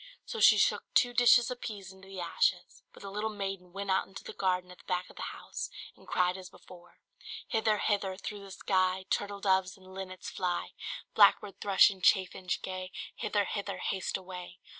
So she shook two dishes of peas into the ashes; but the little maiden went out into the garden at the back of the house, and cried as before "Hither, hither, through the sky. Turtle doves and linnets, fly! Blackbird, thrush, and chaffinch gay, Hither, hither, haste away!